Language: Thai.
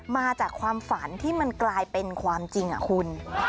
มาจากความฝันที่มันกลายเป็นความจริงคุณ